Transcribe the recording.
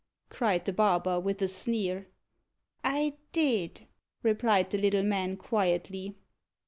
cried the barber, with a sneer. "I did," replied the little man quietly.